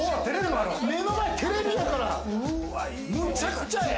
目の前テレビやから、むちゃくちゃええ！